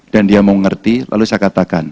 dan dia mau ngerti lalu saya katakan